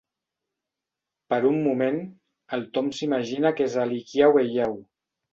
Per un moment, el Tom s'imagina que és a l'Hikiau Heiau.